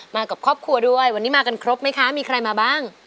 มากับครอบครัวด้วยวันนี้มากันครบไหมคะมีใครมาบ้าง